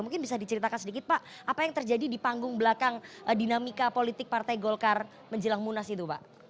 mungkin bisa diceritakan sedikit pak apa yang terjadi di panggung belakang dinamika politik partai golkar menjelang munas itu pak